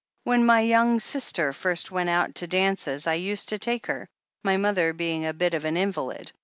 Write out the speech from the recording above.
"When my young sister first went out to dances I used to take her, my mother being a bit of an invalid.